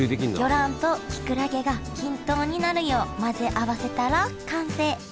魚卵ときくらげが均等になるよう混ぜ合わせたら完成。